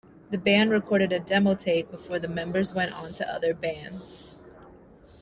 The band recorded a demo tape before the members went on to other bands.